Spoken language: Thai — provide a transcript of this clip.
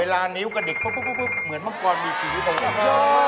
ลานิ้วกระดิกปุ๊บเหมือนมังกรมีชีวิตบางอย่าง